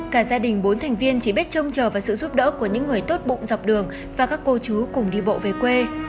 cả gia đình bốn thành viên chỉ biết trông chờ vào sự giúp đỡ của những người tốt bụng dọc đường và các cô chú cùng đi bộ về quê